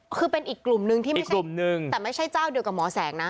คือเป็นอีกกลุ่มนึงแต่ไม่ใช่เจ้าเดียวกับหมอแสงนะ